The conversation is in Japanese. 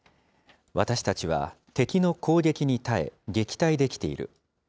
私たちは敵の攻撃に耐え、撃退できている。